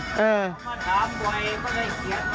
ถามบ่อยเขาก็เลยเขียนไว้